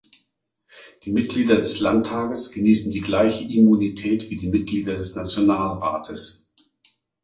Die Mitglieder des Landtages genießen die gleiche Immunität wie die Mitglieder des Nationalrates.